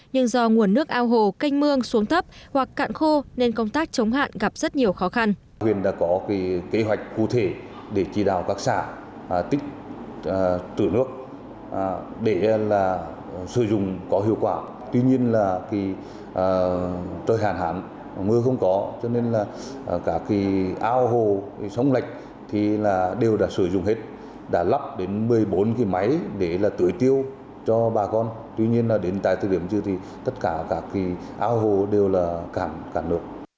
nhưng do nguồn nước ao hồ canh mương xuống thấp hoặc cạn khô nên công tác chống hạn gặp rất nhiều khó khăn